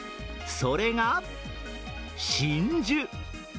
それが真珠。